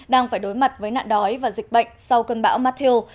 đang phải đối mặt với nạn đói và dịch bệnh sau cơn bão mathio